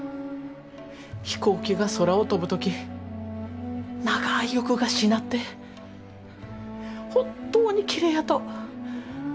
飛行機が空を飛ぶ時長い翼がしなって本当にきれいやと。